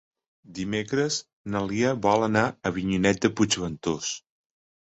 Dimecres na Lia vol anar a Avinyonet de Puigventós.